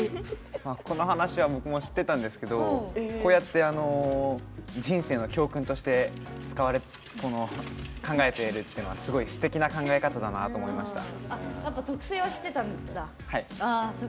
この話は僕も知ってたんですけどこうやって人生の教訓として考えているというのはすてきな考え方だなと思いました。